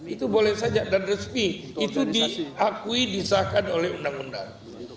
itu boleh saja dan resmi itu diakui disahkan oleh undang undang